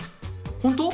本当？